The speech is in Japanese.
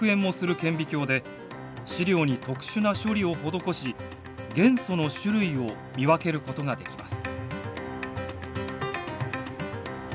顕微鏡で試料に特殊な処理を施し元素の種類を見分けることができます。